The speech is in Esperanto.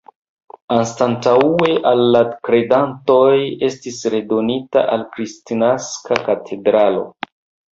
Anstataŭe al la kredantoj estis redonita la Kristnaska katedralo.